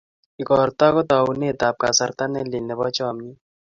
ikorto ko taunet ab kasarta nelel Nebo chamyet